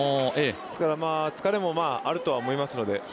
ですから疲れもあるとは思いますので。